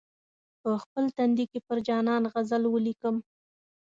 په خپل تندي کې پر جانان غزل ولیکم.